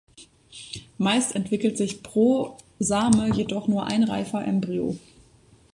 Meist entwickelt sich pro Same jedoch nur ein reifer Embryo.